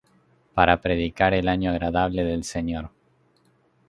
Para predicar el año agradable del Señor.